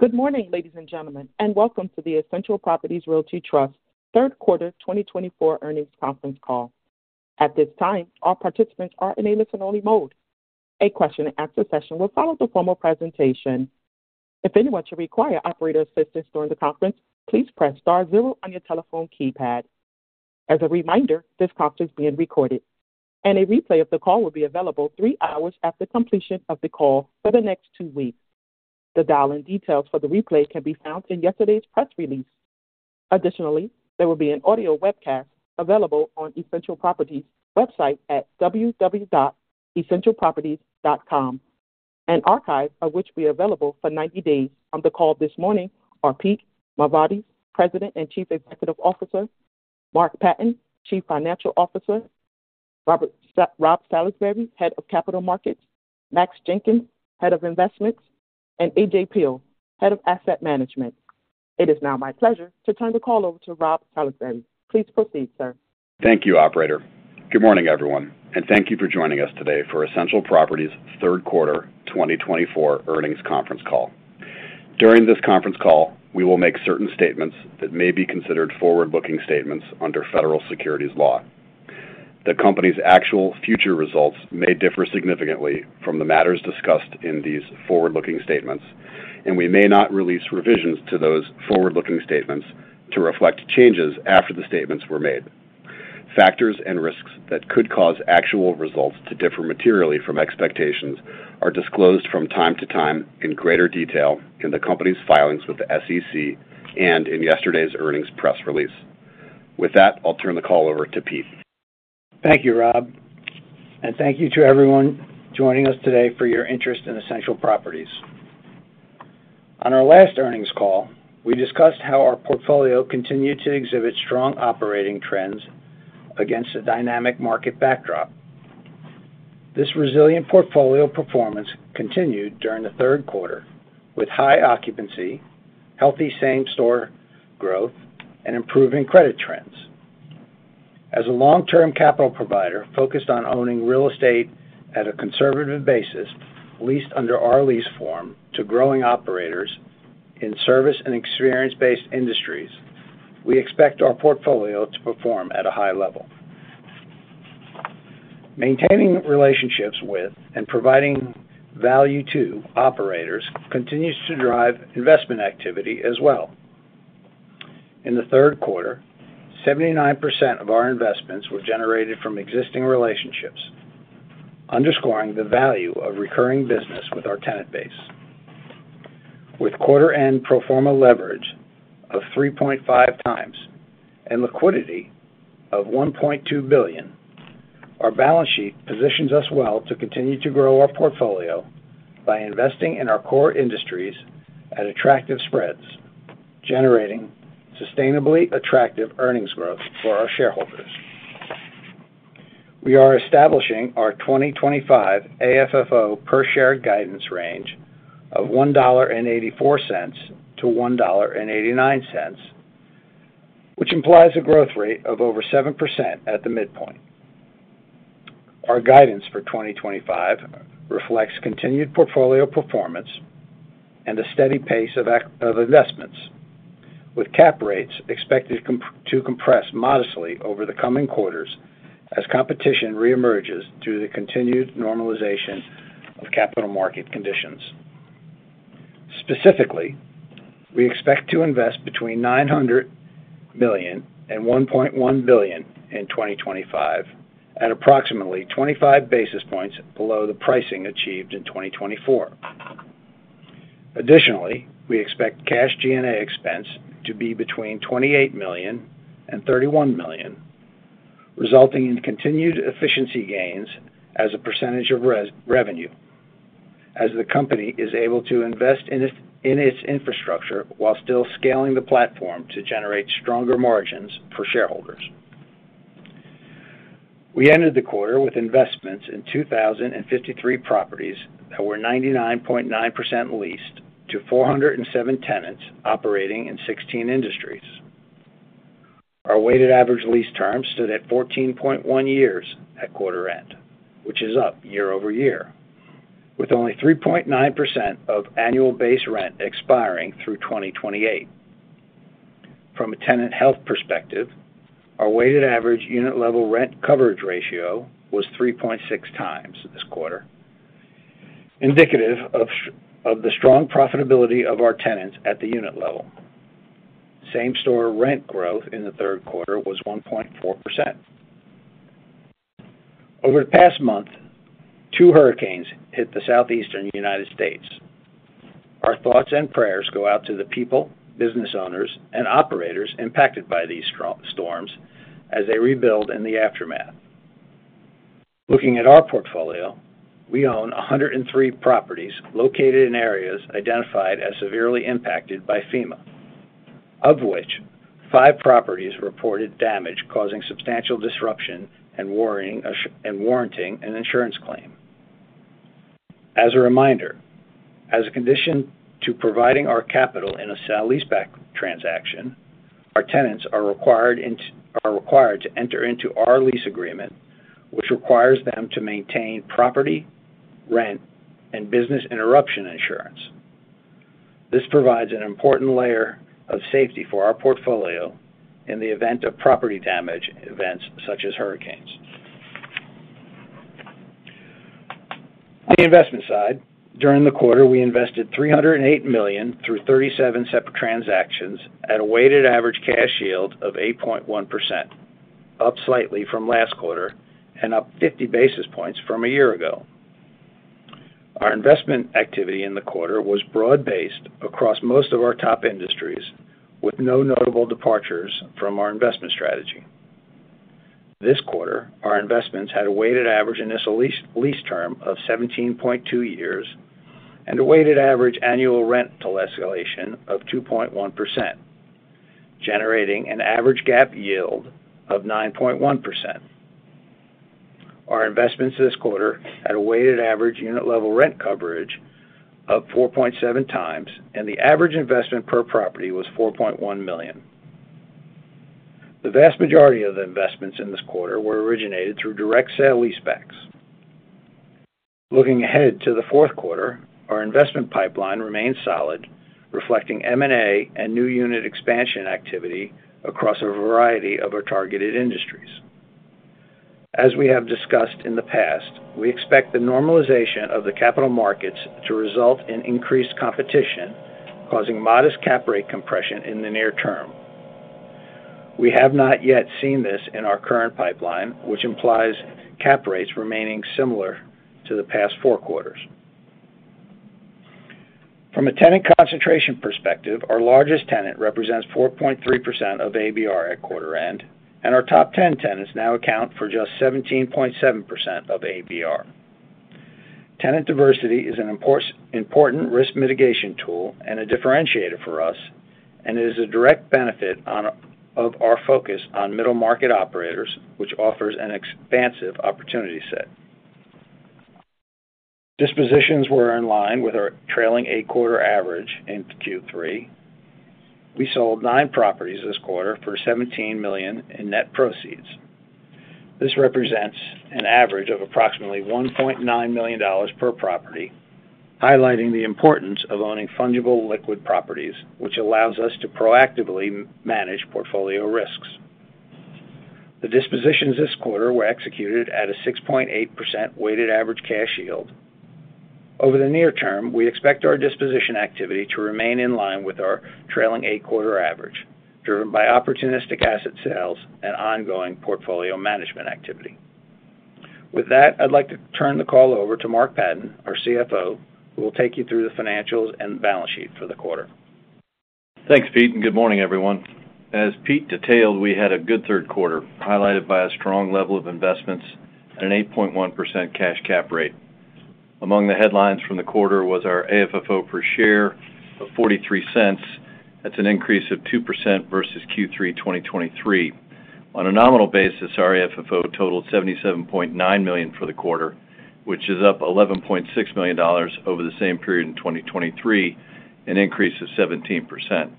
Good morning, ladies and gentlemen, and welcome to the Essential Properties Realty Trust third quarter twenty twenty-four earnings conference call. At this time, all participants are in a listen-only mode. A question-and-answer session will follow the formal presentation. If anyone should require operator assistance during the conference, please press *0 on your telephone keypad. As a reminder, this call is being recorded, and a replay of the call will be available three hours after completion of the call for the next two weeks. The dial-in details for the replay can be found in yesterday's press release. Additionally, there will be an audio webcast available on Essential Properties' website at www.essentialproperties.com, an archive of which will be available for ninety days. On the call this morning are Pete Mavoides, President and Chief Executive Officer, Mark Patten, Chief Financial Officer, Rob Salisbury, Head of Capital Markets, Max Jenkins, Head of Investments, and AJ Peil, Head of Asset Management. It is now my pleasure to turn the call over to Rob Salisbury. Please proceed, sir. Thank you, operator. Good morning, everyone, and thank you for joining us today for Essential Properties' third quarter twenty twenty-four earnings conference call. During this conference call, we will make certain statements that may be considered forward-looking statements under federal securities law. The company's actual future results may differ significantly from the matters discussed in these forward-looking statements, and we may not release revisions to those forward-looking statements to reflect changes after the statements were made. Factors and risks that could cause actual results to differ materially from expectations are disclosed from time to time in greater detail in the company's filings with the SEC and in yesterday's earnings press release. With that, I'll turn the call over to Pete. Thank you, Rob, and thank you to everyone joining us today for your interest in Essential Properties. On our last earnings call, we discussed how our portfolio continued to exhibit strong operating trends against a dynamic market backdrop. This resilient portfolio performance continued during the third quarter, with high occupancy, healthy same-store growth, and improving credit trends. As a long-term capital provider focused on owning real estate at a conservative basis, leased under our lease form to growing operators in service and experience-based industries, we expect our portfolio to perform at a high level. Maintaining relationships with and providing value to operators continues to drive investment activity as well. In the third quarter, 79% of our investments were generated from existing relationships, underscoring the value of recurring business with our tenant base. With quarter end pro forma leverage of 3.5 times and liquidity of $1.2 billion, our balance sheet positions us well to continue to grow our portfolio by investing in our core industries at attractive spreads, generating sustainably attractive earnings growth for our shareholders. We are establishing our 2025 AFFO per share guidance range of $1.84 to $1.89, which implies a growth rate of over 7% at the midpoint. Our guidance for 2025 reflects continued portfolio performance and a steady pace of investments, with cap rates expected to compress modestly over the coming quarters as competition reemerges through the continued normalization of capital market conditions. Specifically, we expect to invest between $900 million and $1.1 billion in 2025 at approximately 25 basis points below the pricing achieved in 2024. Additionally, we expect cash G&A expense to be between $28 million and $31 million, resulting in continued efficiency gains as a percentage of revenue, as the company is able to invest in its infrastructure while still scaling the platform to generate stronger margins for shareholders. We ended the quarter with investments in 2,053 properties that were 99.9% leased to 407 tenants operating in 16 industries. Our weighted average lease terms stood at 14.1 years at quarter end, which is up year over year, with only 3.9% of annual base rent expiring through 2028. From a tenant health perspective, our weighted average unit level rent coverage ratio was 3.6 times this quarter, indicative of the strong profitability of our tenants at the unit level. Same-store rent growth in the third quarter was 1.4%. Over the past month, 2 hurricanes hit the Southeastern United States. Our thoughts and prayers go out to the people, business owners, and operators impacted by these storms as they rebuild in the aftermath. Looking at our portfolio, we own 103 properties located in areas identified as severely impacted by FEMA, of which 5 properties reported damage causing substantial disruption and worrisome and warranting an insurance claim. As a reminder, as a condition to providing our capital in a sale-leaseback transaction, our tenants are required to enter into our lease agreement. which requires them to maintain property, rent, and business interruption insurance. This provides an important layer of safety for our portfolio in the event of property damage events such as hurricanes. On the investment side, during the quarter, we invested $308 million through 37 separate transactions at a weighted average cash yield of 8.1%, up slightly from last quarter and up fifty basis points from a year ago. Our investment activity in the quarter was broad-based across most of our top industries, with no notable departures from our investment strategy. This quarter, our investments had a weighted average initial lease, lease term of 17.2 years and a weighted average annual rental escalation of 2.1%, generating an average GAAP yield of 9.1%. Our investments this quarter had a weighted average unit level rent coverage of 4.7 times, and the average investment per property was $4.1 million. The vast majority of the investments in this quarter were originated through direct sale leasebacks. Looking ahead to the fourth quarter, our investment pipeline remains solid, reflecting M&A and new unit expansion activity across a variety of our targeted industries. As we have discussed in the past, we expect the normalization of the capital markets to result in increased competition, causing modest cap rate compression in the near term. We have not yet seen this in our current pipeline, which implies cap rates remaining similar to the past four quarters. From a tenant concentration perspective, our largest tenant represents 4.3% of ABR at quarter end, and our top 10 tenants now account for just 17.7% of ABR. Tenant diversity is an important risk mitigation tool and a differentiator for us, and it is a direct benefit of our focus on middle market operators, which offers an expansive opportunity set. Dispositions were in line with our trailing eight-quarter average in Q3. We sold nine properties this quarter for $17 million in net proceeds. This represents an average of approximately $1.9 million per property, highlighting the importance of owning fungible liquid properties, which allows us to proactively manage portfolio risks. The dispositions this quarter were executed at a 6.8% weighted average cash yield. Over the near term, we expect our disposition activity to remain in line with our trailing eight-quarter average, driven by opportunistic asset sales and ongoing portfolio management activity. With that, I'd like to turn the call over to Mark Patten, our CFO, who will take you through the financials and balance sheet for the quarter. Thanks, Pete, and good morning, everyone. As Pete detailed, we had a good third quarter, highlighted by a strong level of investments and an 8.1% cash cap rate. Among the headlines from the quarter was our AFFO per share of $0.43. That's an increase of 2% versus Q3 2023. On a nominal basis, our AFFO totaled $77.9 million for the quarter, which is up $11.6 million over the same period in 2023, an increase of 17%.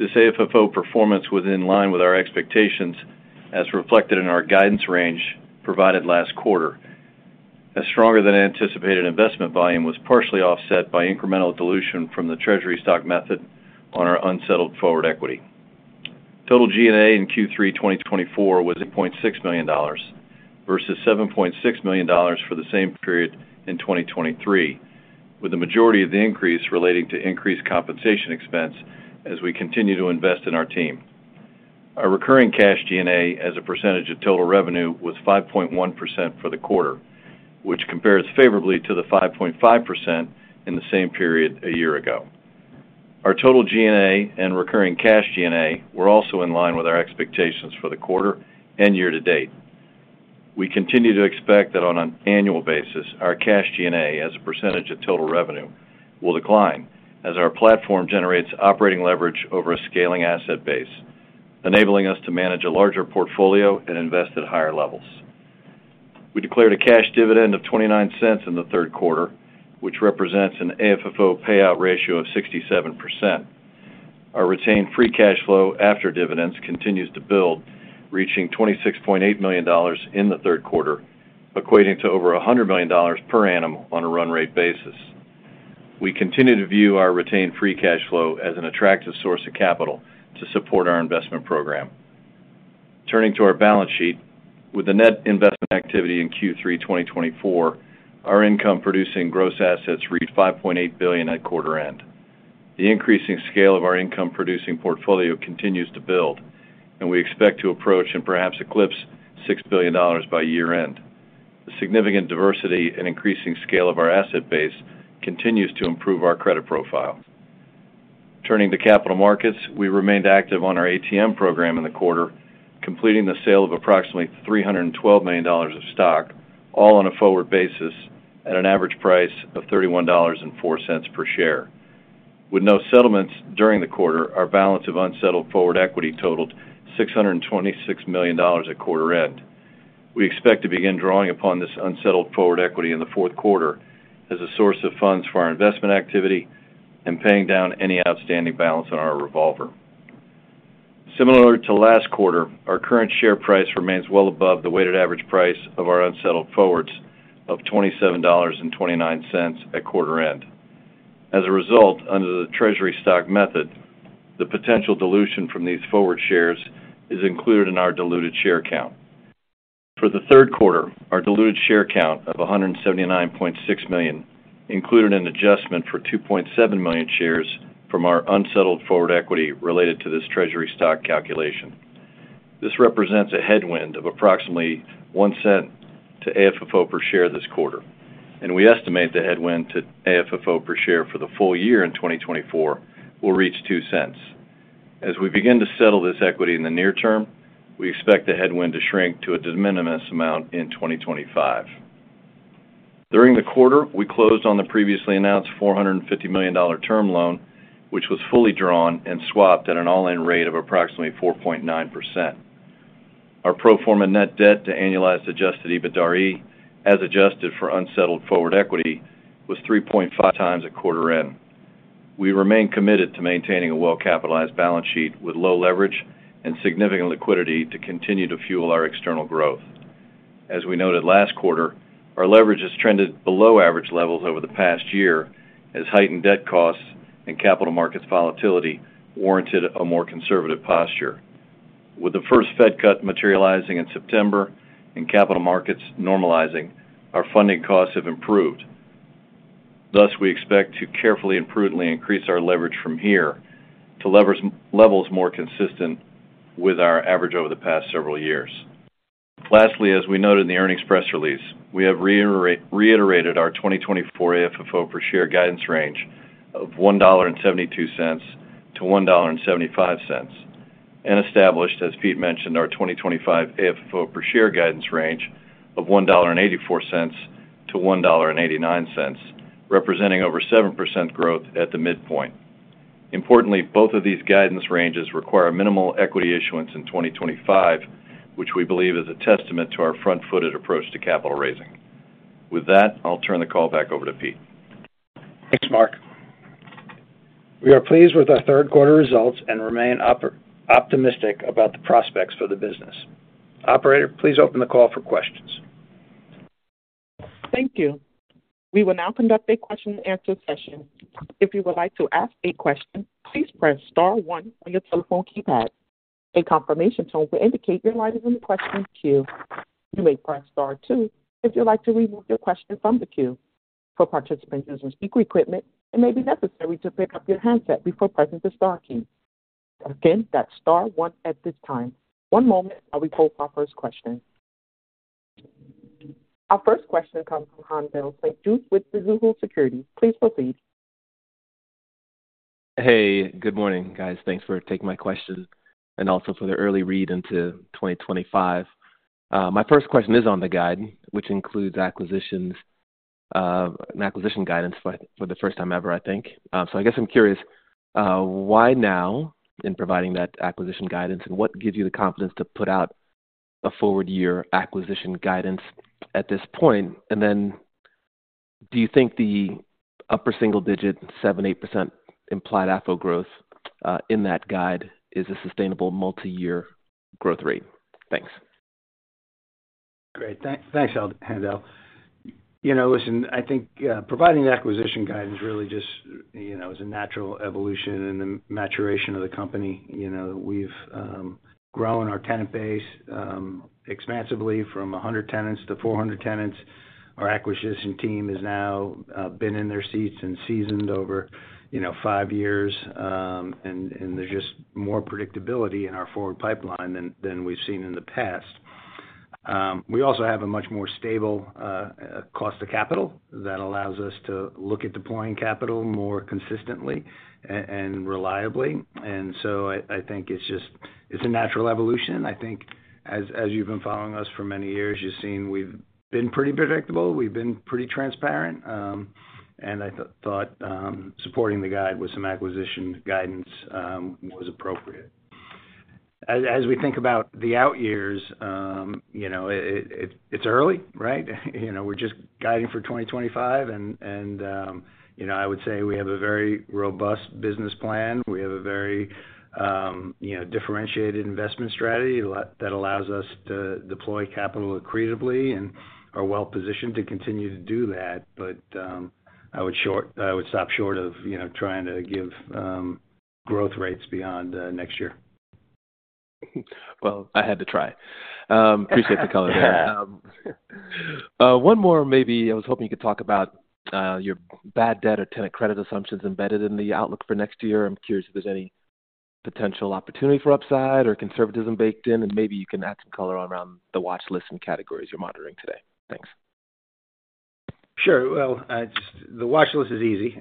This AFFO performance was in line with our expectations, as reflected in our guidance range provided last quarter. A stronger than anticipated investment volume was partially offset by incremental dilution from the treasury stock method on our unsettled forward equity. Total G&A in Q3 2024 was $8.6 million, versus $7.6 million for the same period in 2023, with the majority of the increase relating to increased compensation expense as we continue to invest in our team. Our recurring cash G&A as a percentage of total revenue was 5.1% for the quarter, which compares favorably to the 5.5% in the same period a year ago. Our total G&A and recurring cash G&A were also in line with our expectations for the quarter and year to date. We continue to expect that on an annual basis, our cash G&A as a percentage of total revenue, will decline as our platform generates operating leverage over a scaling asset base, enabling us to manage a larger portfolio and invest at higher levels. We declared a cash dividend of $0.29 in the third quarter, which represents an AFFO payout ratio of 67%. Our retained free cash flow after dividends continues to build, reaching $26.8 million in the third quarter, equating to over $100 million per annum on a run rate basis. We continue to view our retained free cash flow as an attractive source of capital to support our investment program. Turning to our balance sheet, with the net investment activity in Q3 2024, our income-producing gross assets reached $5.8 billion at quarter end. The increasing scale of our income-producing portfolio continues to build, and we expect to approach and perhaps eclipse $6 billion by year-end. The significant diversity and increasing scale of our asset base continues to improve our credit profile. Turning to capital markets, we remained active on our ATM program in the quarter, completing the sale of approximately $312 million of stock, all on a forward basis, at an average price of $31.04 per share. With no settlements during the quarter, our balance of unsettled forward equity totaled $626 million at quarter end. We expect to begin drawing upon this unsettled forward equity in the fourth quarter as a source of funds for our investment activity and paying down any outstanding balance on our revolver. Similar to last quarter, our current share price remains well above the weighted average price of our unsettled forwards of $27.29 at quarter end. As a result, under the treasury stock method, the potential dilution from these forward shares is included in our diluted share count. For the third quarter, our diluted share count of 179.6 million included an adjustment for 2.7 million shares from our unsettled forward equity related to this treasury stock calculation. This represents a headwind of approximately $0.01 to AFFO per share this quarter, and we estimate the headwind to AFFO per share for the full year in 2024 will reach $0.02. As we begin to settle this equity in the near term, we expect the headwind to shrink to a de minimis amount in 2025. During the quarter, we closed on the previously announced $450 million term loan, which was fully drawn and swapped at an all-in rate of approximately 4.9%. Our pro forma net debt to annualized adjusted EBITDAre, as adjusted for unsettled forward equity, was three point five times at quarter end. We remain committed to maintaining a well-capitalized balance sheet with low leverage and significant liquidity to continue to fuel our external growth. As we noted last quarter, our leverage has trended below average levels over the past year, as heightened debt costs and capital markets volatility warranted a more conservative posture. With the first Fed cut materializing in September and capital markets normalizing, our funding costs have improved. Thus, we expect to carefully and prudently increase our leverage from here to levels more consistent with our average over the past several years. Lastly, as we noted in the earnings press release, we have reiterated our 2024 AFFO per share guidance range of $1.72-$1.75, and established, as Pete mentioned, our 2025 AFFO per share guidance range of $1.84-$1.89, representing over 7% growth at the midpoint. Importantly, both of these guidance ranges require minimal equity issuance in 2025, which we believe is a testament to our front-footed approach to capital raising. With that, I'll turn the call back over to Pete. Thanks, Mark. We are pleased with our third quarter results and remain optimistic about the prospects for the business. Operator, please open the call for questions. Thank you. We will now conduct a question-and-answer session. If you would like to ask a question, please press star one on your telephone keypad. A confirmation tone will indicate your line is in the question queue. You may press star two if you'd like to remove your question from the queue. For participant users with speaker equipment, it may be necessary to pick up your handset before pressing the star key. Again, that's star one at this time. One moment while we pull our first question. Our first question comes from Haendel St. Juste with Mizuho Securities. Please proceed. Hey, good morning, guys. Thanks for taking my question and also for the early read into 2025. My first question is on the guide, which includes acquisitions, an acquisition guidance for the first time ever, I think. So, I guess I'm curious, why now in providing that acquisition guidance, and what gives you the confidence to put out a forward-year acquisition guidance at this point? And then do you think the upper single digit, 7-8% implied AFFO growth in that guide is a sustainable multiyear growth rate? Thanks. Great. Thanks, Handel. You know, listen, I think providing the acquisition guidance really just, you know, is a natural evolution in the maturation of the company. You know, we've grown our tenant base expansively from 100 tenants to 400 tenants. Our acquisition team has now been in their seats and seasoned over, you know, five years, and there's just more predictability in our forward pipeline than we've seen in the past. We also have a much more stable cost of capital that allows us to look at deploying capital more consistently and reliably. And so, I think it's just, it's a natural evolution. I think as you've been following us for many years, you've seen we've been pretty predictable, we've been pretty transparent, and I thought supporting the guide with some acquisition guidance was appropriate. As we think about the out years, you know, it's early, right? You know, we're just guiding for 2025, and you know, I would say we have a very robust business plan. We have a very you know, differentiated investment strategy that allows us to deploy capital accretively and are well positioned to continue to do that. But I would stop short of you know, trying to give growth rates beyond next year. I had to try. Appreciate the color. One more, maybe I was hoping you could talk about your bad debt or tenant credit assumptions embedded in the outlook for next year. I'm curious if there's any potential opportunity for upside or conservatism baked in, and maybe you can add some color around the watchlist and categories you're monitoring today. Thanks. Sure. Well, just the watchlist is easy.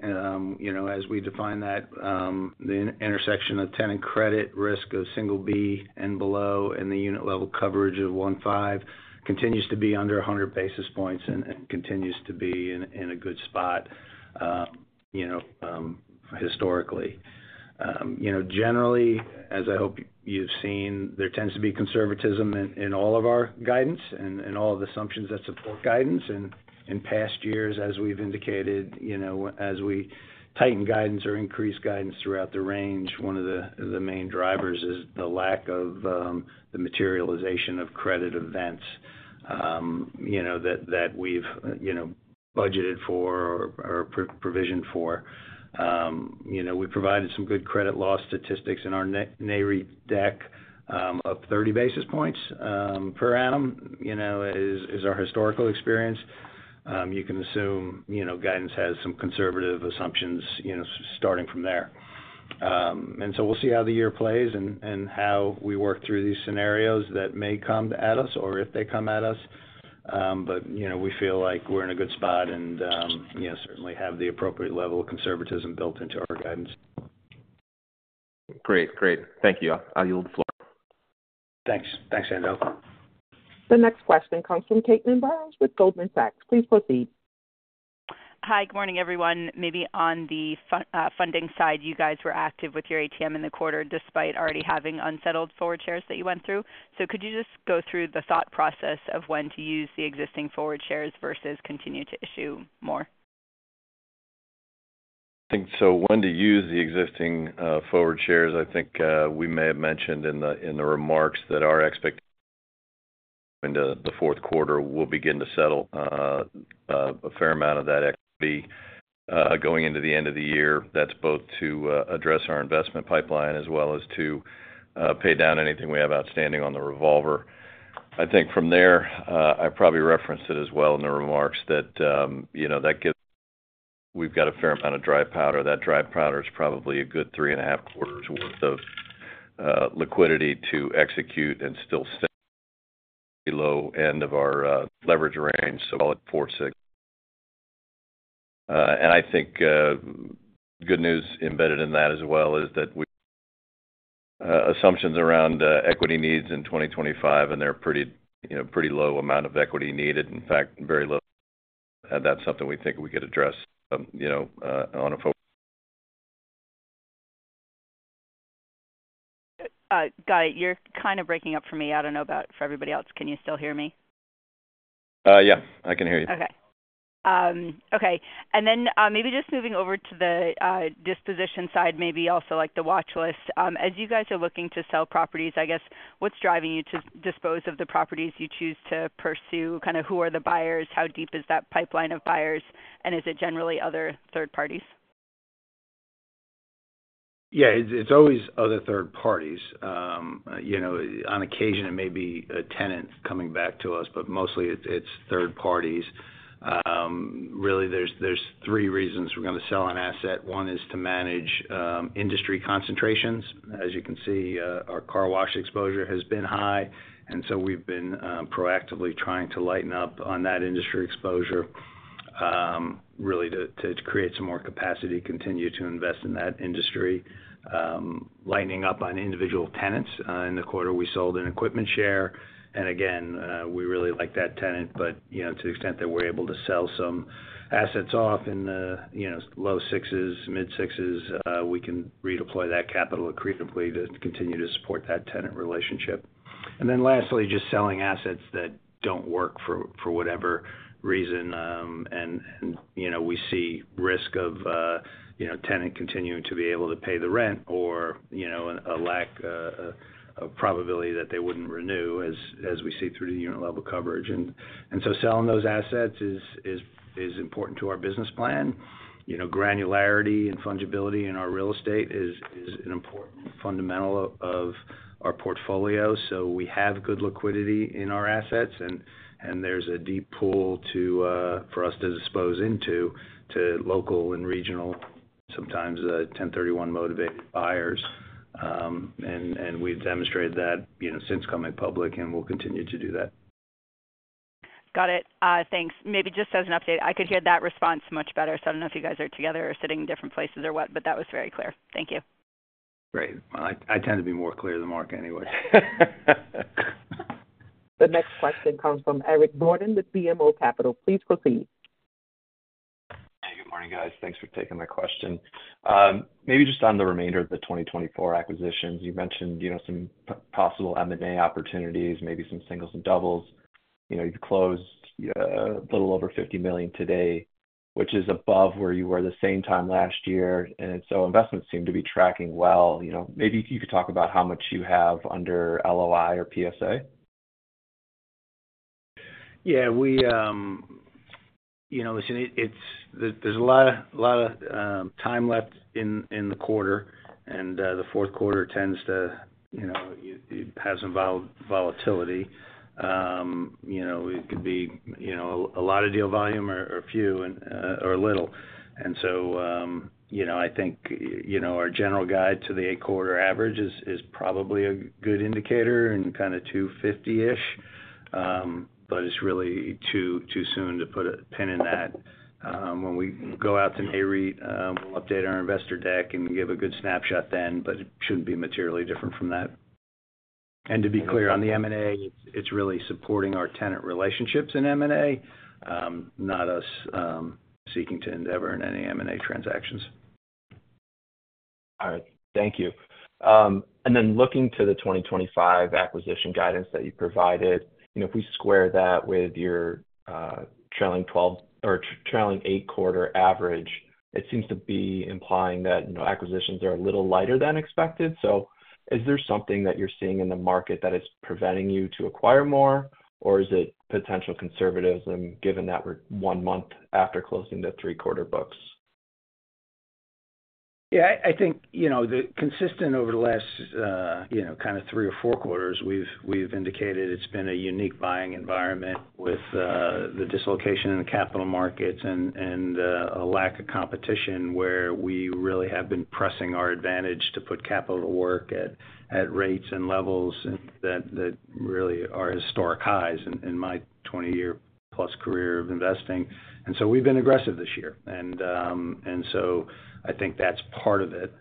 You know, as we define that, the intersection of tenant credit risk of single B and below, and the unit level coverage of 1.5 continues to be under 100 basis points and continues to be in a good spot, you know, historically. You know, generally, as I hope you've seen, there tends to be conservatism in all of our guidance and all of the assumptions that support guidance. And in past years, as we've indicated, you know, as we tighten guidance or increase guidance throughout the range, one of the main drivers is the lack of the materialization of credit events, you know, that we've budgeted for or provisioned for. You know, we provided some good credit loss statistics in our NAREIT deck. Up 30 basis points per annum, you know, is our historical experience. You can assume, you know, guidance has some conservative assumptions, you know, starting from there. And so, we'll see how the year plays and how we work through these scenarios that may come at us or if they come at us. But, you know, we feel like we're in a good spot and, yeah, certainly have the appropriate level of conservatism built into our guidance. Great. Great. Thank you. I yield the floor. Thanks. Thanks. The next question comes from Caitlin Burrows with Goldman Sachs. Please proceed. Hi, good morning, everyone. Maybe on the funding side, you guys were active with your ATM in the quarter, despite already having unsettled forward shares that you went through. So could you just go through the thought process of when to use the existing forward shares versus continue to issue more? I think, so when to use the existing forward shares. I think we may have mentioned in the remarks that our expectations into the fourth quarter, we'll begin to settle a fair amount of that equity going into the end of the year. That's both to address our investment pipeline as well as to pay down anything we have outstanding on the revolver. I think from there, I probably referenced it as well in the remarks that, you know, we've got a fair amount of dry powder. That dry powder is probably a good three and a half quarters worth of liquidity to execute and still stay below end of our leverage range, so call it 4.6. And I think good news embedded in that as well is that our assumptions around equity needs in 2025, and they're pretty, you know, pretty low amount of equity needed. In fact, very low. And that's something we think we could address, you know, on a for- Got it. You're kind of breaking up for me. I don't know about for everybody else. Can you still hear me? Yeah, I can hear you. Okay, okay, and then maybe just moving over to the disposition side, maybe also, like, the watch list. As you guys are looking to sell properties, I guess, what's driving you to dispose of the properties you choose to pursue? Kind of who are the buyers? How deep is that pipeline of buyers, and is it generally other third parties? Yeah, it's always other third parties. You know, on occasion, it may be a tenant coming back to us, but mostly it's third parties. Really, there's three reasons we're going to sell an asset. One is to manage industry concentrations. As you can see, our car wash exposure has been high, and so we've been proactively trying to lighten up on that industry exposure, really to create some more capacity, continue to invest in that industry. Lightening up on individual tenants. In the quarter, we sold an EquipmentShare, and again, we really like that tenant, but, you know, to the extent that we're able to sell some assets off in the, you know, low sixes, mid sixes, we can redeploy that capital accretively to continue to support that tenant relationship. And then lastly, just selling assets that don't work for whatever reason, and you know, we see risk of you know, tenant continuing to be able to pay the rent or, you know, a lack of probability that they wouldn't renew as we see through the unit level coverage. And so, selling those assets is important to our business plan. You know, granularity and fungibility in our real estate is an important fundamental of our portfolio. So, we have good liquidity in our assets and there's a deep pool for us to dispose into to local and regional, sometimes 1031 motivated buyers. And we've demonstrated that, you know, since coming public, and we'll continue to do that. Got it. Thanks. Maybe just as an update, I could hear that response much better, so I don't know if you guys are together or sitting in different places or what, but that was very clear. Thank you. Great. I tend to be more clear than Mark anyway. The next question comes from Eric Borden with BMO Capital. Please proceed. Hey, good morning, guys. Thanks for taking my question. Maybe just on the remainder of the twenty twenty-four acquisitions, you mentioned, you know, some possible M&A opportunities, maybe some singles and doubles. You know, you've closed a little over $50 million today, which is above where you were the same time last year, and so investments seem to be tracking well. You know, maybe if you could talk about how much you have under LOI or PSA. Yeah, we, you know, listen, it's. There's a lot of time left in the quarter, and the fourth quarter tends to, you know, it has some volatility. You know, it could be, you know, a lot of deal volume or a few or a little. And so, you know, I think, you know, our general guide to the eight-quarter average is probably a good indicator and kind of 250-ish. But it's really too soon to put a pin in that. When we go out to NAREIT, we'll update our investor deck and give a good snapshot then, but it shouldn't be materially different from that. And to be clear, on the M&A, it's really supporting our tenant relationships in M&A, not us seeking to endeavor in any M&A transactions. All right. Thank you. And then looking to the twenty twenty-five acquisition guidance that you provided, you know, if we square that with your trailing twelve or trailing eight-quarter average, it seems to be implying that, you know, acquisitions are a little lighter than expected. So is there something that you're seeing in the market that is preventing you to acquire more, or is it potential conservatism, given that we're one month after closing the three-quarter books? ... Yeah, I think, you know, consistently over the last, you know, kind of three or four quarters, we've indicated it's been a unique buying environment with the dislocation in the capital markets and a lack of competition, where we really have been pressing our advantage to put capital to work at rates and levels that really are historic highs in my 20-year plus career of investing. And so we've been aggressive this year, and so I think that's part of it.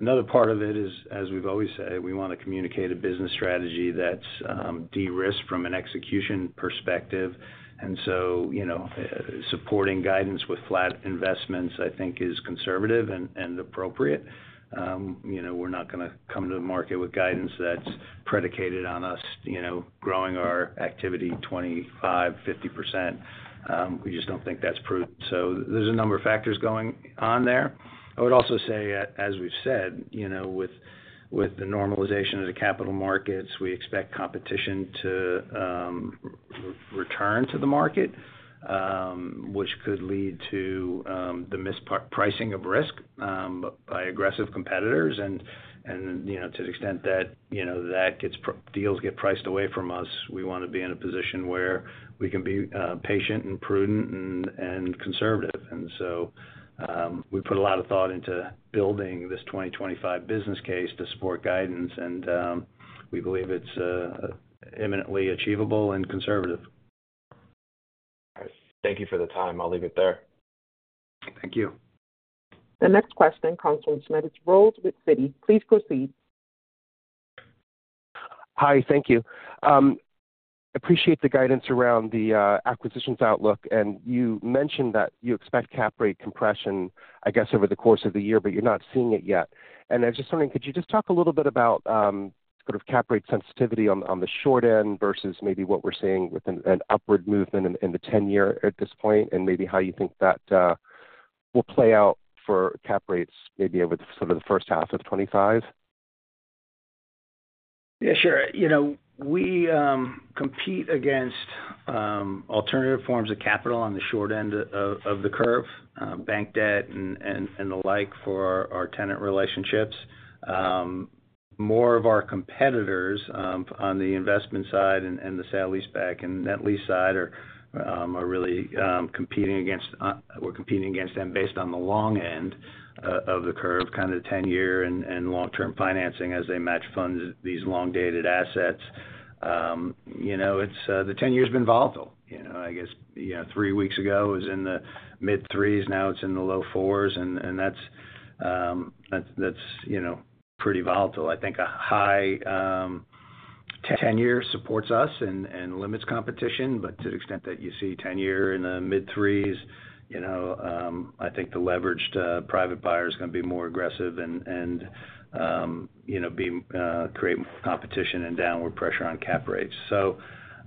Another part of it is, as we've always said, we want to communicate a business strategy that's de-risked from an execution perspective. And so, you know, supporting guidance with flat investments, I think is conservative and appropriate. You know, we're not going to come to the market with guidance that's predicated on us, you know, growing our activity 25%-50%. We just don't think that's prudent. So there's a number of factors going on there. I would also say, as we've said, you know, with the normalization of the capital markets, we expect competition to return to the market, which could lead to the mispricing of risk by aggressive competitors. And, you know, to the extent that deals get priced away from us, we want to be in a position where we can be patient, and prudent, and conservative. So we put a lot of thought into building this 2025 business case to support guidance, and we believe it's eminently achievable and conservative. All right. Thank you for the time. I'll leave it there. Thank you. The next question comes from Smedes Rose with Citi. Please proceed. Hi, thank you. Appreciate the guidance around the acquisitions outlook. And you mentioned that you expect cap rate compression, I guess, over the course of the year, but you're not seeing it yet. And I was just wondering, could you just talk a little bit about sort of cap rate sensitivity on the short end versus maybe what we're seeing with an upward movement in the 10-year at this point, and maybe how you think that will play out for cap rates, maybe over sort of the first half of twenty-five? Yeah, sure. You know, we compete against alternative forms of capital on the short end of the curve, bank debt and the like, for our tenant relationships. More of our competitors on the investment side and the sale leaseback and net lease side are really competing against-- we're competing against them based on the long end of the curve, kind of the 10-year and long-term financing as they match fund these long-dated assets. You know, it's the 10-year's been volatile. You know, I guess, you know, three weeks ago, it was in the mid threes, now it's in the low fours, and that's you know, pretty volatile. I think a high 10-year supports us and limits competition. But to the extent that you see 10-year in the mid threes, you know, I think the leveraged private buyer is going to be more aggressive and create competition and downward pressure on cap rates. So,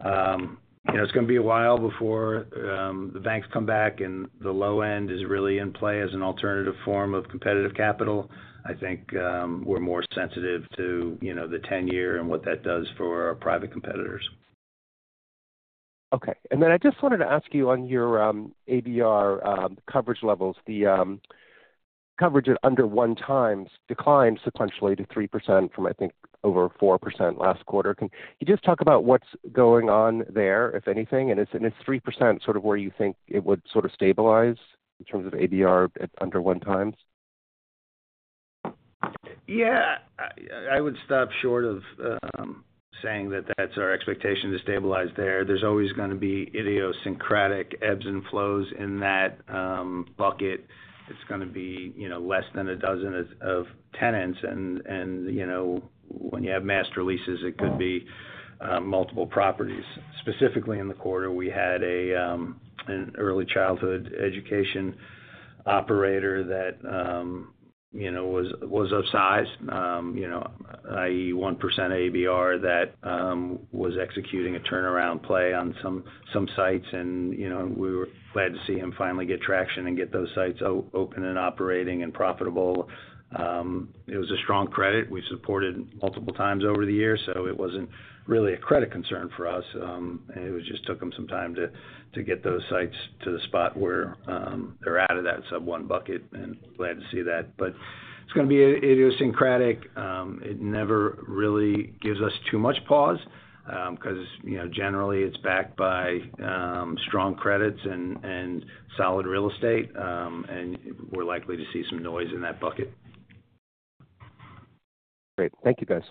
you know, it's going to be a while before the banks come back, and the low end is really in play as an alternative form of competitive capital. I think we're more sensitive to, you know, the10-year and what that does for our private competitors. Okay. And then I just wanted to ask you on your ABR coverage levels, the coverage at under one times declined sequentially to 3% from, I think, over 4% last quarter. Can you just talk about what's going on there, if anything, and is 3% sort of where you think it would sort of stabilize in terms of ABR at under one times? Yeah. I would stop short of saying that that's our expectation to stabilize there. There's always going to be idiosyncratic ebbs and flows in that bucket. It's going to be, you know, less than a dozen tenants, and you know, when you have master leases, it could be multiple properties. Specifically in the quarter, we had an early childhood education operator that, you know, was of size, you know, i.e., 1% ABR, that was executing a turnaround play on some sites. And you know, we were glad to see him finally get traction and get those sites open and operating and profitable. It was a strong credit. We supported multiple times over the years, so it wasn't really a credit concern for us. It just took them some time to get those sites to the spot where they're out of that sub one bucket, and glad to see that. But it's going to be idiosyncratic. It never really gives us too much pause, because, you know, generally it's backed by strong credits and solid real estate, and we're likely to see some noise in that bucket. Great. Thank you, guys.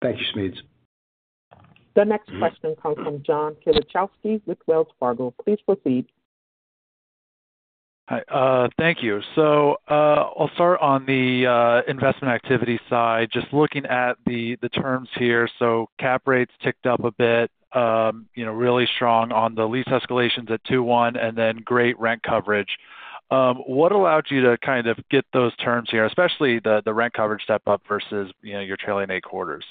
Thank you, Smedes Rose. The next question comes from John Kilichowski with Wells Fargo. Please proceed. Hi, thank you. So, I'll start on the investment activity side. Just looking at the terms here. So cap rates ticked up a bit, you know, really strong on the lease escalations at 2.1%, and then great rent coverage. What allowed you to kind of get those terms here, especially the rent coverage step up versus, you know, your trailing eight quarters?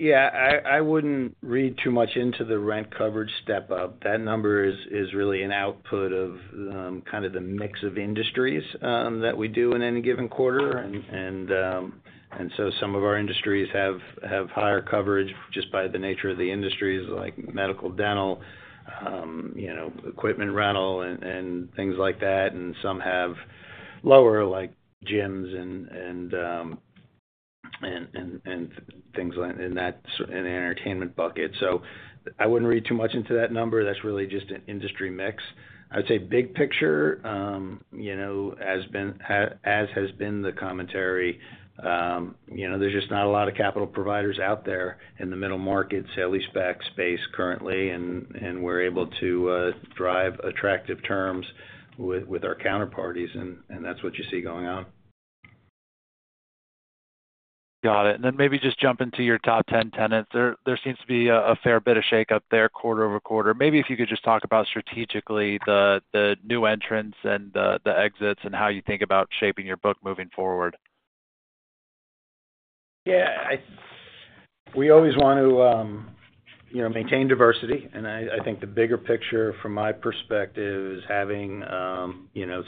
Yeah, I wouldn't read too much into the rent coverage step up. That number is really an output of kind of the mix of industries that we do in any given quarter. And so some of our industries have higher coverage just by the nature of the industries, like medical, dental, you know, equipment rental and things like that, and some have lower, like gyms and things like in the entertainment bucket. So I wouldn't read too much into that number. That's really just an industry mix. I'd say big picture, you know, as has been the commentary, you know, there's just not a lot of capital providers out there in the middle market sale lease back space currently, and we're able to drive attractive terms with our counterparties, and that's what you see going on. Got it. And then maybe just jump into your top ten tenants. There seems to be a fair bit of shakeup there quarter over quarter. Maybe if you could just talk about strategically the new entrants and the exits, and how you think about shaping your book moving forward. Yeah, we always want to, you know, maintain diversity, and I think the bigger picture from my perspective is having, you know,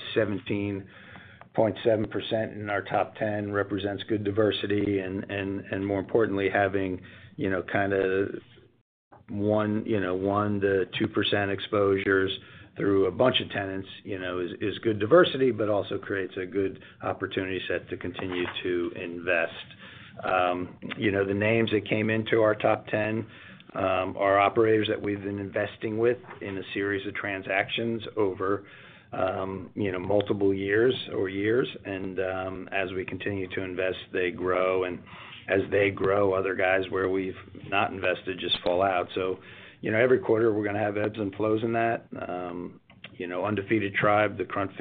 17.7% in our top ten represents good diversity and more importantly, having, you know, kind of 1-2% exposures through a bunch of tenants, you know, is good diversity, but also creates a good opportunity set to continue to invest. You know, the names that came into our top ten are operators that we've been investing with in a series of transactions over, you know, multiple years or years. And as we continue to invest, they grow, and as they grow, other guys where we've not invested just fall out. You know, every quarter, we're gonna have ebbs and flows in that. You know, Undefeated Tribe, the Crunch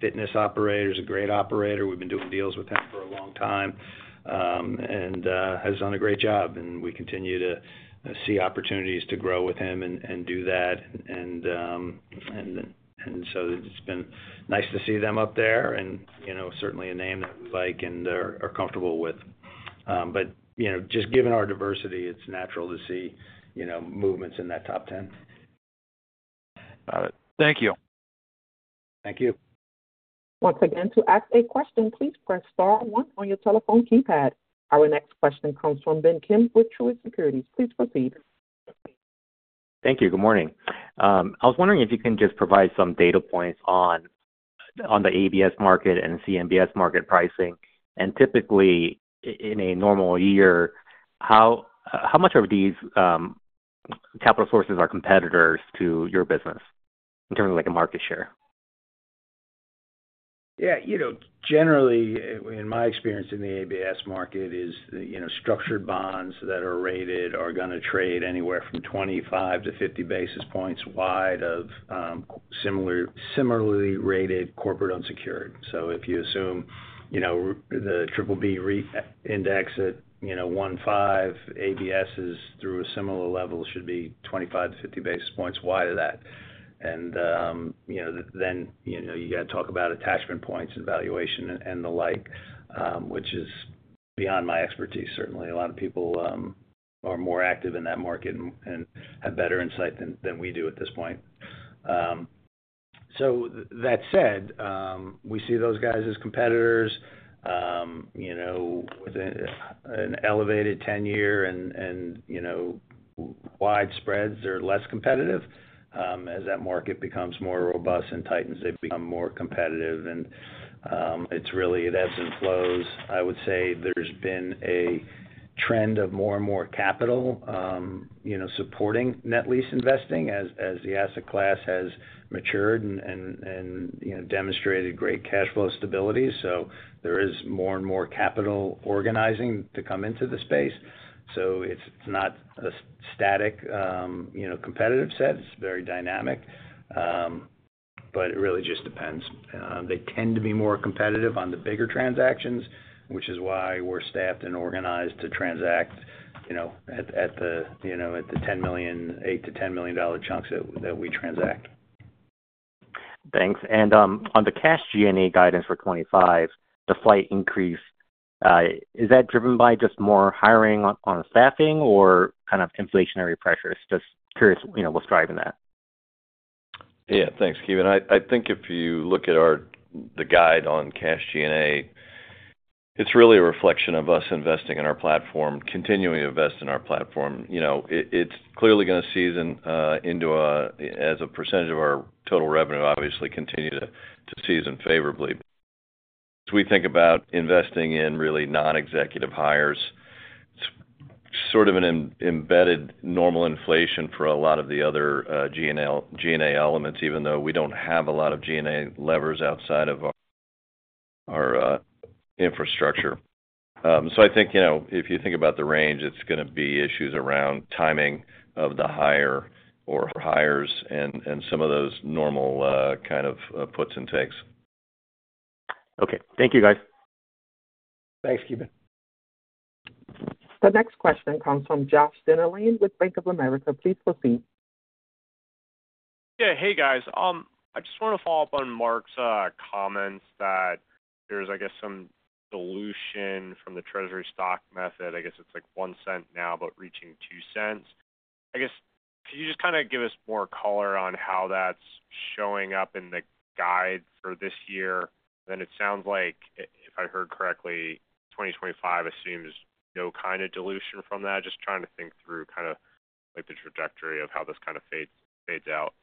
Fitness operator, is a great operator. We've been doing deals with him for a long time, and has done a great job, and we continue to see opportunities to grow with him and do that. So it's been nice to see them up there and, you know, certainly a name that we like and are comfortable with. But, you know, just given our diversity, it's natural to see, you know, movements in that top ten. Got it. Thank you. Thank you. Once again, to ask a question, please press star one on your telephone keypad. Our next question comes from Ki Bin Kim with Truist Securities. Please proceed. Thank you. Good morning. I was wondering if you can just provide some data points on the ABS market and CMBS market pricing? And typically, in a normal year, how much of these capital sources are competitors to your business in terms of, like, a market share? Yeah, you know, generally, in my experience in the ABS market is, you know, structured bonds that are rated are gonna trade anywhere from 25-50 basis points wide of similarly rated corporate unsecured. So if you assume, you know, the triple B REIT index at, you know, 150, ABS is through a similar level, should be 25-50 basis points wide of that. And then, you know, you got to talk about attachment points and valuation and the like, which is beyond my expertise. Certainly, a lot of people are more active in that market and have better insight than we do at this point. So that said, we see those guys as competitors, you know, with an elevated ten-year and wide spreads, they're less competitive. As that market becomes more robust and tightens, they become more competitive, and it's really, it ebbs and flows. I would say there's been a trend of more and more capital, you know, supporting net-lease investing as the asset class has matured and, you know, demonstrated great cash flow stability. So there is more and more capital organizing to come into the space. So it's not a static, you know, competitive set. It's very dynamic, but it really just depends. They tend to be more competitive on the bigger transactions, which is why we're staffed and organized to transact, you know, at the $8-$10 million chunks that we transact. Thanks. And on the Cash G&A guidance for 2025, the slight increase is that driven by just more hiring on staffing or kind of inflationary pressures? Just curious, you know, what's driving that. Yeah. Thanks, Ki. I think if you look at our the guide on cash G&A, it's really a reflection of us investing in our platform, continuing to invest in our platform. You know, it's clearly gonna season into as a percentage of our total revenue, obviously continue to season favorably. As we think about investing in really non-executive hires, it's sort of an embedded normal inflation for a lot of the other G&A elements, even though we don't have a lot of G&A levers outside of our infrastructure. So, I think, you know, if you think about the range, it's gonna be issues around timing of the hire or hires and some of those normal kinds of puts and takes. Okay. Thank you, guys. Thanks, Ki Bin. The next question comes from Josh Dennerlein with Bank of America. Please proceed. Yeah. Hey, guys. I just want to follow up on Mark's comments that there's, I guess, some dilution from the Treasury Stock Method. I guess it's like $0.01 now, but reaching $0.02. I guess, can you just kind of give us more color on how that's showing up in the guide for this year? Then it sounds like, if I heard correctly, 2025 assumes no kind of dilution from that. Just trying to think through kind of, like, the trajectory of how this kind of fades out....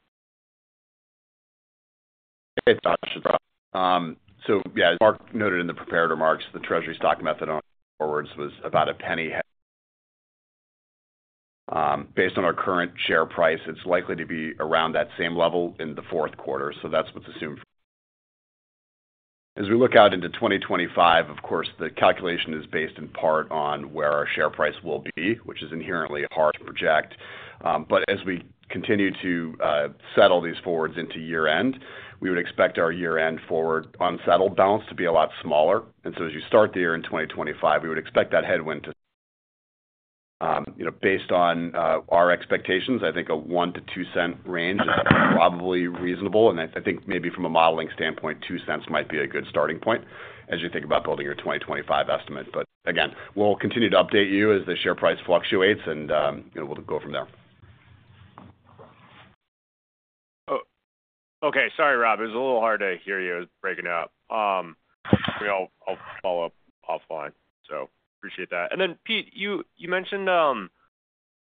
Hey, Josh, it's Rob. So yeah, as Mark noted in the prepared remarks, the treasury stock method on forwards was about $0.01. Based on our current share price, it's likely to be around that same level in the fourth quarter, so that's what's assumed. As we look out into twenty twenty-five, of course, the calculation is based in part on where our share price will be, which is inherently hard to project. But as we continue to settle these forwards into year-end, we would expect our year-end forward unsettled balance to be a lot smaller. And so as you start the year in twenty twenty-five, we would expect that headwind to you know, based on our expectations, I think a $0.01-$0.02 range is probably reasonable. I think maybe from a modeling standpoint, $0.02 might be a good starting point as you think about building your 2025 estimate. But again, we'll continue to update you as the share price fluctuates, and, you know, we'll go from there. Oh, okay. Sorry, Rob, it was a little hard to hear you. It was breaking up. I'll follow up offline, so appreciate that. And then, Pete, you mentioned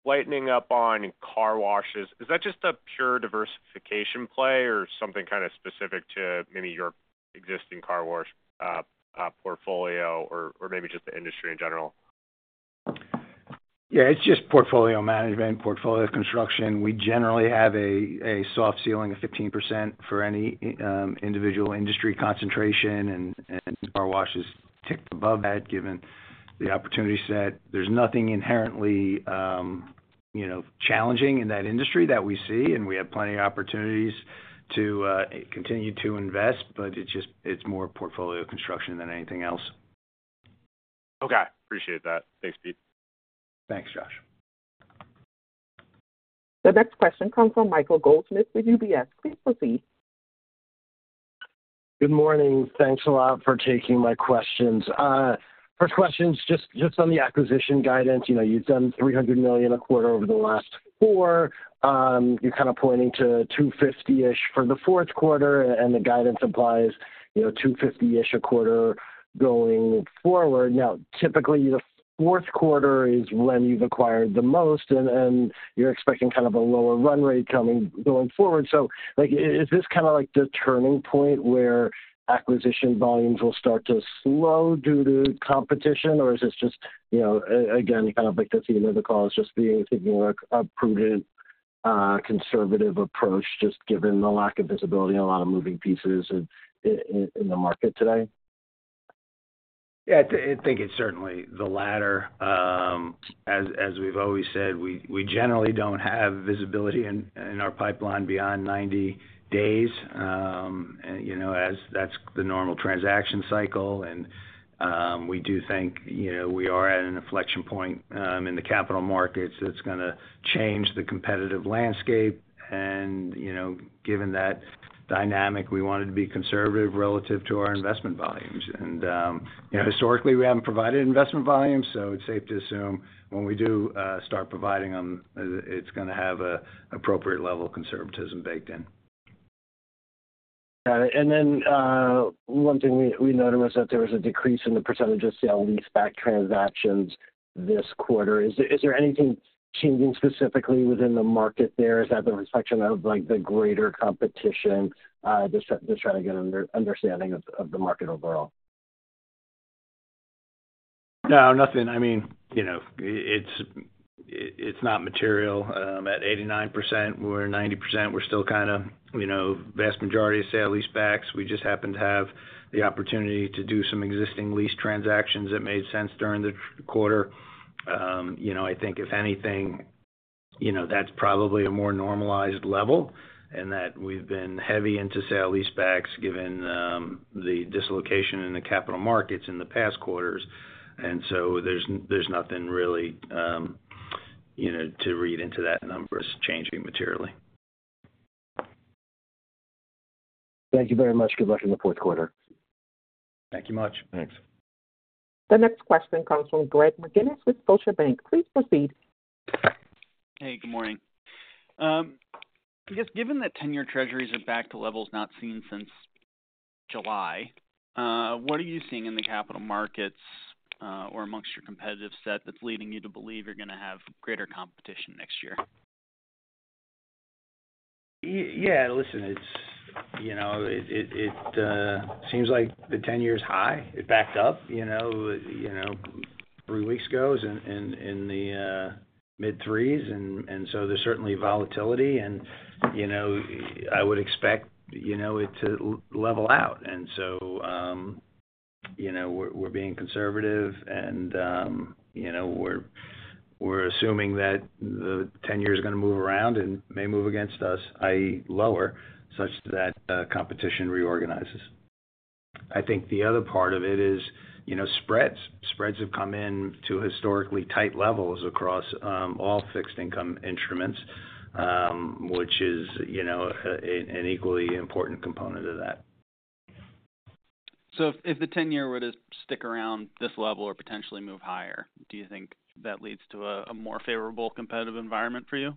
lightening up on car washes. Is that just a pure diversification play or something kind of specific to maybe your existing car wash portfolio, or maybe just the industry in general? Yeah, it's just portfolio management, portfolio construction. We generally have a soft ceiling of 15% for any individual industry concentration, and car wash is ticked above that, given the opportunity set. There's nothing inherently, you know, challenging in that industry that we see, and we have plenty of opportunities to continue to invest, but it's just, it's more portfolio construction than anything else. Okay, appreciate that. Thanks, Pete. Thanks, Josh. The next question comes from Michael Goldsmith with UBS. Please proceed. Good morning. Thanks a lot for taking my questions. First question is just, just on the acquisition guidance. You know, you've done $300 million a quarter over the last four. You're kind of pointing to $250-ish for the fourth quarter, and the guidance applies, you know, $250-ish a quarter going forward. Now, typically, the fourth quarter is when you've acquired the most, and you're expecting kind of a lower run rate going forward. So, like, is this kind of like the turning point where acquisition volumes will start to slow due to competition? Or is this just, you know, again, kind of like the theme of the call, is just being, taking a prudent, conservative approach, just given the lack of visibility and a lot of moving pieces in the market today? Yeah, I think it's certainly the latter. As we've always said, we generally don't have visibility in our pipeline beyond ninety days. And, you know, as that's the normal transaction cycle, and we do think, you know, we are at an inflection point in the capital markets that's gonna change the competitive landscape. And, you know, given that dynamic, we wanted to be conservative relative to our investment volumes. And, you know, historically, we haven't provided investment volumes, so it's safe to assume when we do start providing them, it's gonna have a appropriate level of conservatism baked in. Got it. And then, one thing we noticed was that there was a decrease in the percentage of sale-leaseback transactions this quarter. Is there anything changing specifically within the market there? Is that a reflection of, like, the greater competition? Just trying to get an understanding of the market overall. No, nothing. I mean, you know, it's not material. At 89% or 90%, we're still kind of, you know, vast majority of sale leasebacks. We just happen to have the opportunity to do some existing lease transactions that made sense during the quarter. You know, I think if anything, you know, that's probably a more normalized level, in that we've been heavy into sale leasebacks, given the dislocation in the capital markets in the past quarters. And so there's nothing really, you know, to read into that numbers changing materially. Thank you very much. Good luck in the fourth quarter. Thank you much. Thanks. The next question comes from Greg McGinnis with Scotiabank. Please proceed. Hey, good morning. I guess, given that 10-year Treasuries are back to levels not seen since July, what are you seeing in the capital markets, or amongst your competitive set, that's leading you to believe you're gonna have greater competition next year? Yeah, listen, it's, you know, it seems like the ten-year is high. It backed up, you know, three weeks ago in the mid-threes, and so there's certainly volatility. And, you know, I would expect, you know, it to level out. And so, you know, we're being conservative and, you know, we're assuming that the ten-year is gonna move around and may move against us, i.e., lower, such that competition reorganizes. I think the other part of it is, you know, spreads. Spreads have come in to historically tight levels across all fixed income instruments, which is, you know, an equally important component of that. So if the ten-year were to stick around this level or potentially move higher, do you think that leads to a more favorable competitive environment for you?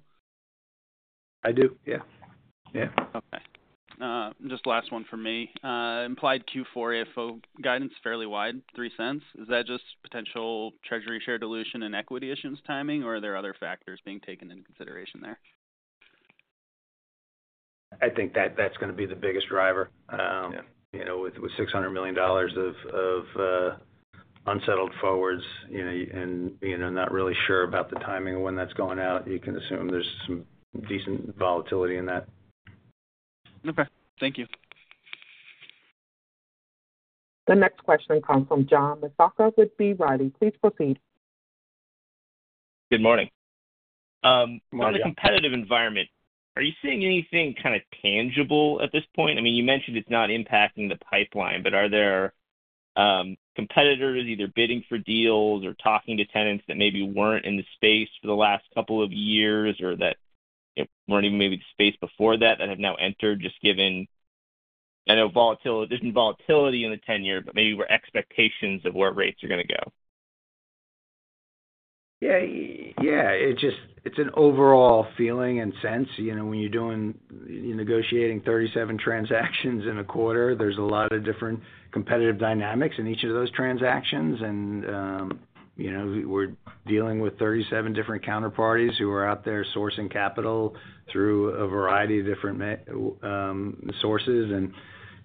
I do, yeah. Yeah. Okay, just last one for me. Implied Q4 AFFO guidance, fairly wide, $0.03. Is that just potential treasury share dilution and equity issues timing, or are there other factors being taken into consideration there?... I think that that's gonna be the biggest driver. You know, with $600 million of unsettled forwards, you know, and you know, not really sure about the timing of when that's going out, you can assume there's some decent volatility in that. Okay, thank you. The next question comes from John Massocca with B. Riley. Please proceed. Good morning. Good morning. On the competitive environment, are you seeing anything kind of tangible at this point? I mean, you mentioned it's not impacting the pipeline, but are there, competitors either bidding for deals or talking to tenants that maybe weren't in the space for the last couple of years, or that weren't even maybe in the space before that, that have now entered, just given, I know volatility, there's been volatility in the tenor, but maybe where expectations of where rates are gonna go? Yeah, yeah. It just is an overall feeling and sense. You know, when you're negotiating thirty-seven transactions in a quarter, there's a lot of different competitive dynamics in each of those transactions. And, you know, we're dealing with thirty-seven different counterparties who are out there sourcing capital through a variety of different sources. And,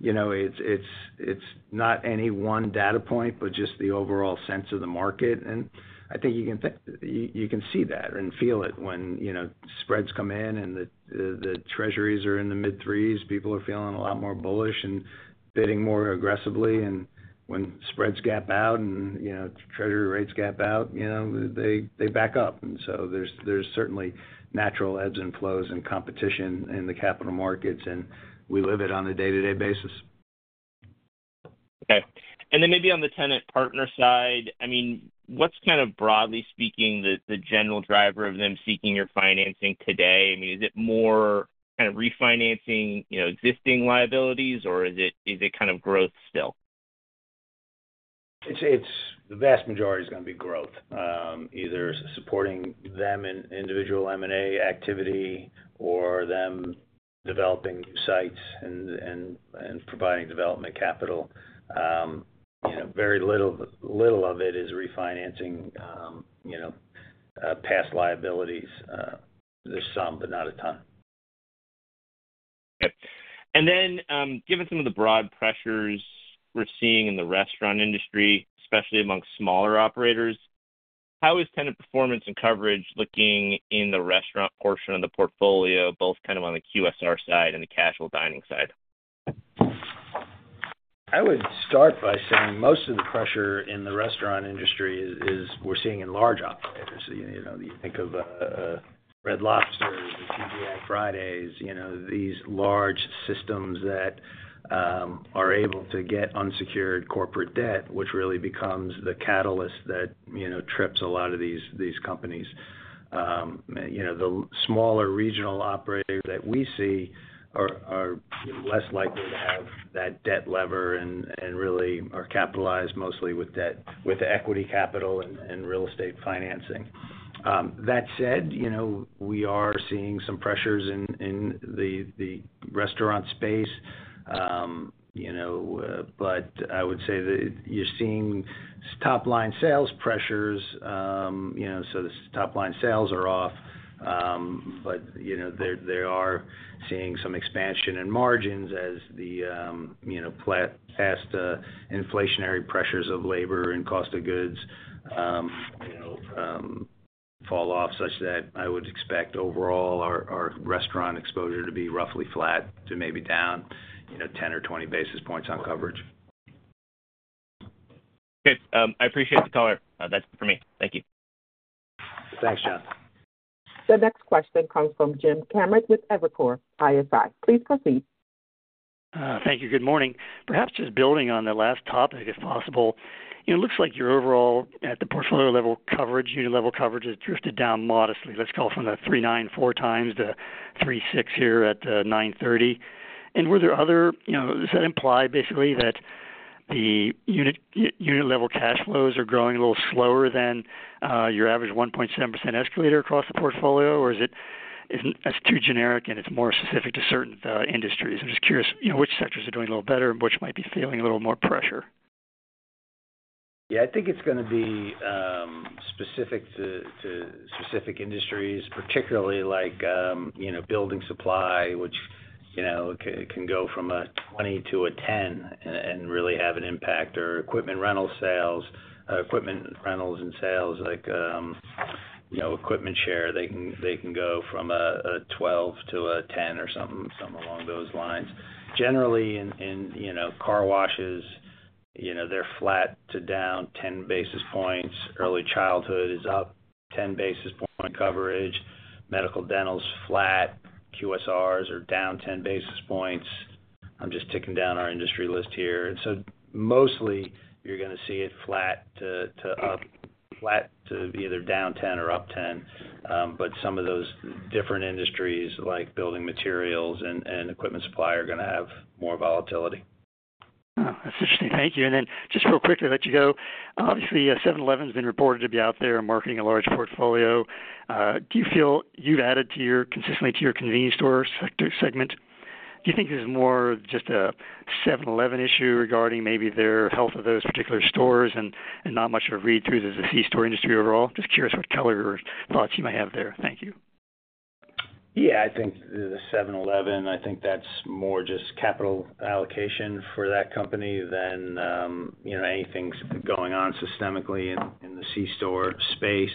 you know, it's not any one data point, but just the overall sense of the market. And I think you can see that and feel it when, you know, spreads come in and the Treasuries are in the mid threes. People are feeling a lot more bullish and bidding more aggressively. And when spreads gap out and, you know, Treasury rates gap out, you know, they back up. And so there's certainly natural ebbs and flows and competition in the capital markets, and we live it on a day-to-day basis. Okay. And then maybe on the tenant partner side, I mean, what's kind of, broadly speaking, the, the general driver of them seeking your financing today? I mean, is it more kind of refinancing, you know, existing liabilities, or is it, is it kind of growth still? It's the vast majority is gonna be growth, either supporting them in individual M&A activity or them developing sites and providing development capital. You know, very little of it is refinancing, you know, past liabilities. There's some, but not a ton. Okay. Given some of the broad pressures we're seeing in the restaurant industry, especially among smaller operators, how is tenant performance and coverage looking in the restaurant portion of the portfolio, both kind of on the QSR side and the casual dining side? I would start by saying most of the pressure in the restaurant industry is we're seeing in large operators. You know, you think of Red Lobster and TGI Fridays, you know, these large systems that are able to get unsecured corporate debt, which really becomes the catalyst that, you know, trips a lot of these companies. You know, the smaller regional operators that we see are less likely to have that debt lever and really are capitalized mostly with equity capital and real estate financing. That said, you know, we are seeing some pressures in the restaurant space. You know, but I would say that you're seeing top-line sales pressures. You know, so the top-line sales are off, but, you know, they are seeing some expansion in margins as the inflationary pressures of labor and cost of goods, you know, fall off, such that I would expect overall our restaurant exposure to be roughly flat to maybe down, you know, 10 or 20 basis points on coverage. Okay, I appreciate the color. That's it for me. Thank you. Thanks, John. The next question comes from Jim Kammert with Evercore ISI. Please proceed. Thank you. Good morning. Perhaps just building on the last topic, if possible. It looks like your overall at the portfolio level, coverage, unit level coverage has drifted down modestly. Let's call it from 3.94 times to 3.6 here at 9:30 A.M. And were there other... You know, does that imply basically that the unit level cash flows are growing a little slower than your average 1.7% escalator across the portfolio? Or isn't that too generic, and it's more specific to certain industries. I'm just curious, you know, which sectors are doing a little better and which might be feeling a little more pressure? Yeah, I think it's gonna be specific to specific industries, particularly like, you know, building supply, which, you know, can go from a 20 to a 10 and really have an impact, or equipment rental sales, equipment rentals and sales, like, you know, EquipmentShare. They can go from a 12 to a 10 or something along those lines. Generally, in, you know, car washes, you know, they're flat to down 10 basis points. Early childhood is up 10 basis point coverage. Medical dental's flat. QSRs are down 10 basis points. I'm just ticking down our industry list here. So mostly, you're gonna see it flat to up, flat to either down 10 or up 10. But some of those different industries, like building materials and equipment supply, are gonna have more volatility. Oh, that's interesting. Thank you. And then just real quick before I let you go. Obviously, 7-Eleven has been reported to be out there and marketing a large portfolio. Do you feel you've added consistently to your convenience store sector segment? Do you think there's more just a 7-Eleven issue regarding maybe their health of those particular stores and not much of a read-through to the C-store industry overall? Just curious what color or thoughts you might have there. Thank you. ... Yeah, I think the 7-Eleven. I think that's more just capital allocation for that company than you know, anything going on systemically in the C-store space.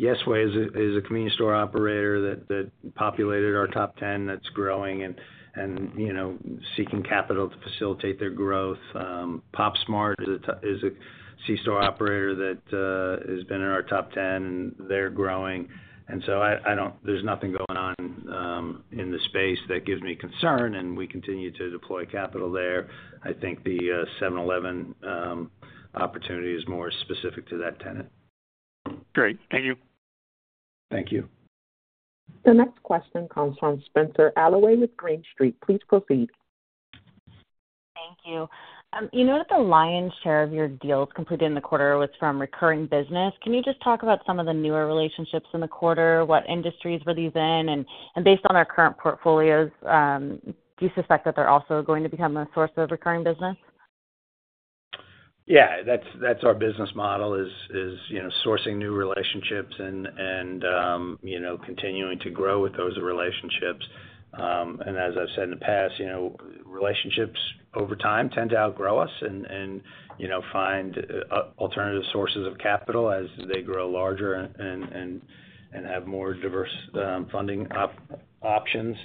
Yesway is a community store operator that populated our top ten, that's growing and you know, seeking capital to facilitate their growth. Pop's Mart is a C-store operator that has been in our top ten, and they're growing. And so, there's nothing going on in the space that gives me concern, and we continue to deploy capital there. I think the 7-Eleven opportunity is more specific to that tenant. Great. Thank you. Thank you. The next question comes from Spenser Allaway with Green Street. Please proceed. Thank you. You know that the lion's share of your deals completed in the quarter was from recurring business. Can you just talk about some of the newer relationships in the quarter? What industries were these in? And based on our current portfolios, do you suspect that they're also going to become a source of recurring business? Yeah, that's our business model, you know, sourcing new relationships and continuing to grow with those relationships, and as I've said in the past, you know, relationships over time tend to outgrow us and find alternative sources of capital as they grow larger and have more diverse funding options.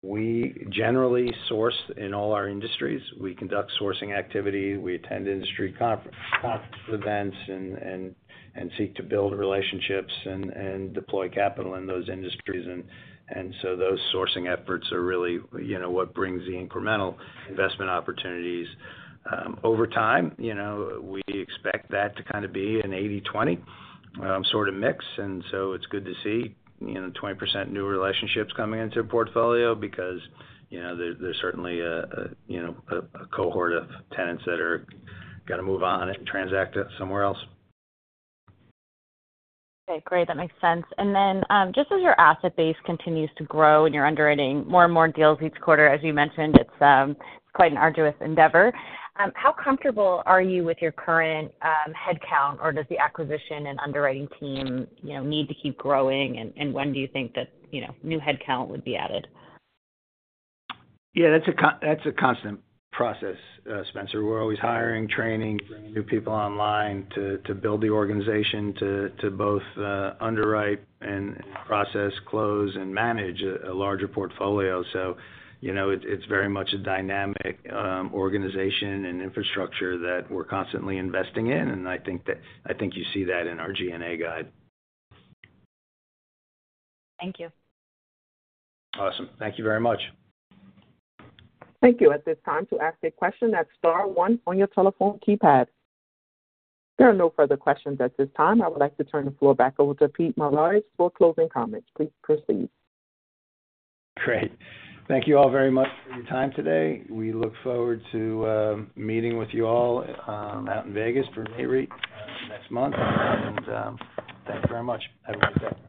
We generally source in all our industries. We conduct sourcing activity, we attend industry conference events and seek to build relationships and deploy capital in those industries, and so those sourcing efforts are really, you know, what brings the incremental investment opportunities. Over time, you know, we expect that to kind of be an 80/20 sort of mix, and so it's good to see, you know, 20% new relationships coming into a portfolio because, you know, there's certainly a cohort of tenants that are gonna move on and transact it somewhere else. Okay, great. That makes sense. And then, just as your asset base continues to grow and you're underwriting more and more deals each quarter, as you mentioned, it's quite an arduous endeavor. How comfortable are you with your current headcount, or does the acquisition and underwriting team, you know, need to keep growing? And when do you think that, you know, new headcount would be added? Yeah, that's a constant process, Spenser. We're always hiring, training, bringing new people online to build the organization, to both underwrite and process close and manage a larger portfolio. So you know, it's very much a dynamic organization and infrastructure that we're constantly investing in, and I think you see that in our G&A guide. Thank you. Awesome. Thank you very much. Thank you. At this time, to ask a question, that's star one on your telephone keypad. There are no further questions at this time. I would like to turn the floor back over to Pete Mavoides for closing comments. Please proceed. Great. Thank you all very much for your time today. We look forward to meeting with you all out in Vegas for NAREIT next month. And thank you very much. Have a great day.